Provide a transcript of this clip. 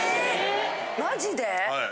マジで？